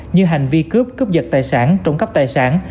như hành vi cướp cướp giật tài sản trộm cắp tài sản